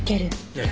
ええ。